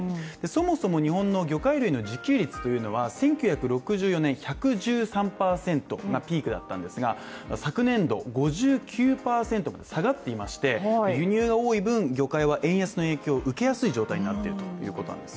そもそも日本の魚介類の自給率というのはピークだったんですが、昨年度５９％に下がっていまして輸入が多い分魚介は円安の影響を受けやすいということになっているんです。